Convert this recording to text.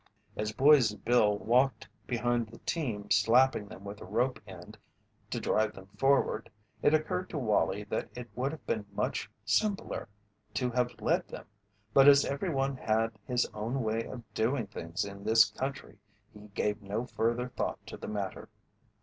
As Boise Bill walked behind the team slapping them with a rope end to drive them forward, it occurred to Wallie that it would have been much simpler to have led them, but as every one had his own way of doing things in this country he gave no further thought to the matter.